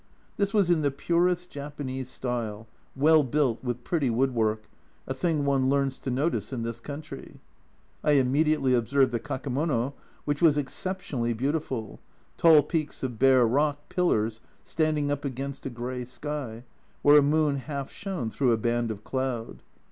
This was in the purest Japanese style, well built, with pretty woodwork, a thing one learns to notice in this country. I im mediately observed the kakemono, which was ex ceptionally beautiful, tall peaks of bare rock pillars standing up against a grey sky, where a moon half shone through a band of cloud.